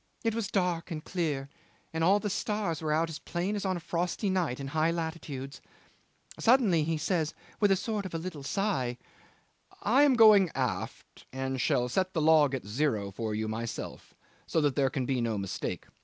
It was dark and clear, and all the stars were out as plain as on a frosty night in high latitudes. Suddenly he says with a sort of a little sigh: 'I am going aft, and shall set the log at zero for you myself, so that there can be no mistake.